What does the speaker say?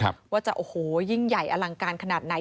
ว่าจะโอ้โหยิ่งใหญ่อลังการขนาดไหน